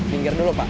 bingkir dulu pak